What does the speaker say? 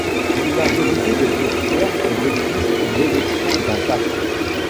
Une majorité des deux tiers est requise pour l'élection d'un pape.